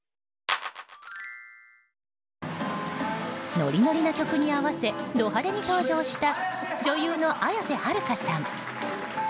ノリノリな曲に合わせド派手に登場した女優の綾瀬はるかさん。